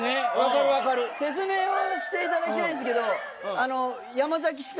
説明をしていただきたいんですけど。